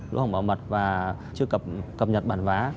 lỗ hỏng bảo mật và chưa cập nhật bản vá